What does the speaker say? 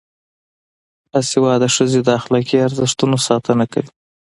باسواده ښځې د اخلاقي ارزښتونو ساتنه کوي.